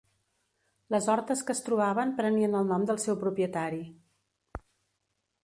Les hortes que es trobaven prenien el nom del seu propietari.